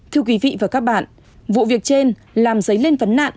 thưa quý vị và các bạn vụ việc trên làm dấy lên vấn nạn